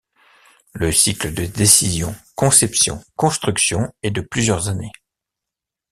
Le cycle de décision, conception, construction est de plusieurs années.